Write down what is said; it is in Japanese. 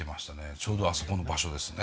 ちょうどあそこの場所ですね。